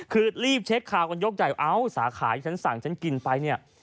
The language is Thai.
คือรีบเช็คค่าคนยกใจเอ้าสาขาฉันสั่งฉันกินไปเนี่ย